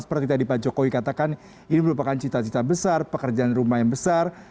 seperti tadi pak jokowi katakan ini merupakan cita cita besar pekerjaan rumah yang besar